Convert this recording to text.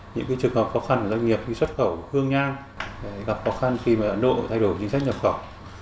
những trường hợp khó khăn doanh nghiệp khi xuất khẩu hương nhan gặp khó khăn khi mà nội thay đổi chính trách nhập khẩu